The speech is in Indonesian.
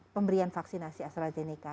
pemberian vaksinasi astrazeneca